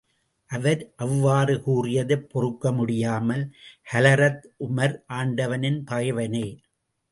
அவர் அவ்வாறு கூறியதைப் பொறுக்க முடியாமல் ஹலரத் உமர், ஆண்டவனின் பகைவனே!